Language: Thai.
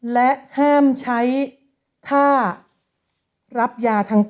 และแห้มใช้ถ้ารับยาทั้งที่